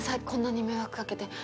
こんなに迷惑かけて。